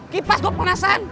kipas gua pengenasan